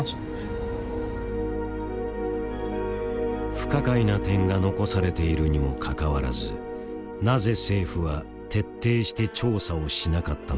不可解な点が残されているにもかかわらずなぜ政府は徹底して調査をしなかったのか。